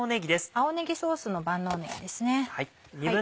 青ねぎソースの万能ねぎです。